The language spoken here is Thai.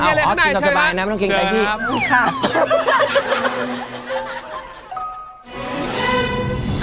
เอออ๋อออทกินอบจะบายนะไม่ต้องเกร็งใจพี่ค่ะอุ้ยค่ะ